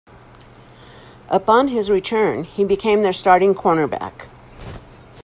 Upon his return, he became their starting cornerback.